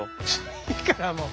いいからもう。